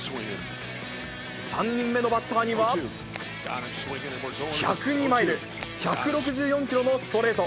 ３人目のバッターには、１０２マイル、１６４キロのストレート。